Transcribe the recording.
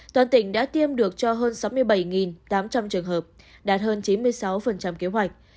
toàn tỉnh đã tiêm được cho hơn sáu mươi bảy tám trăm linh trường hợp đạt hơn chín mươi sáu kế hoạch